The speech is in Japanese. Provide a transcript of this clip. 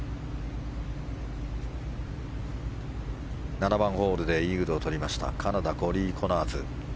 ７番ホールでイーグルを取りましたカナダ、コーリー・コナーズ。